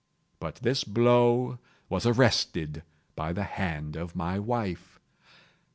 But this blow was arrested by the hand of my wife.